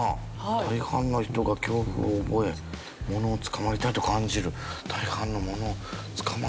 「大半の人が恐怖を覚え物につかまりたいと感じる」大半のものつかまらない。